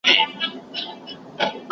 باور په ځان باندي یوه غښتلی وسله ده.